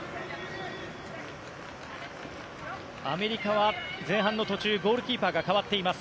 アメリカは前半の途中ゴールキーパーが代わっています。